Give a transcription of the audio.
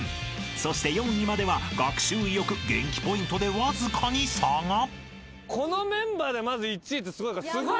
［そして４位までは学習意欲元気ポイントでわずかに差が］やった！